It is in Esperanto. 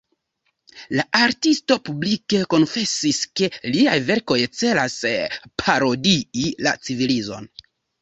La artisto publike konfesis, ke liaj verkoj celas parodii la civilizon.